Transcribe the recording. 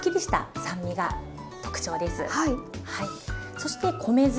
そして米酢。